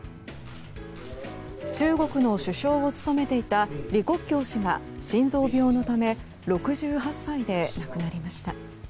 中国の首相を務めていた李克強氏が心臓病のため６８歳で亡くなりました。